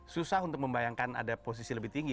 susah untuk membayangkan ada posisi lebih tinggi